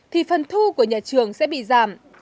thì phần thu của nhà trường sẽ bị giảm